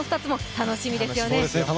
楽しみですね